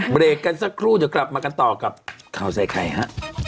เบรกกันสักครู่จะกลับมากันต่อกับเข้าใส่ไข่ฮะ